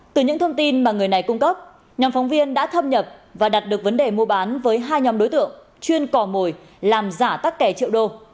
từ những thông tin mà người này cung cấp nhóm phóng viên đã thâm nhập và đặt được vấn đề mua bán với hai nhóm đối tượng chuyên cò mồi làm giả các kẻ triệu đô